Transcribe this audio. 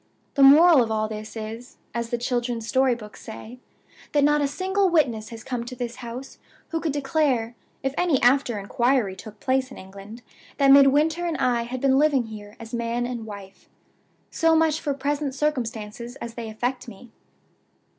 The moral of all this is (as the children's storybooks say), that not a single witness has come to this house who could declare, if any after inquiry took place in England, that Midwinter and I had been living here as man and wife. So much for present circumstances as they affect me.